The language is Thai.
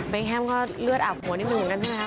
เบคแฮมค่ะเลือดอับหัวนิดหนึ่งนั้นใช่มั้ยค่ะ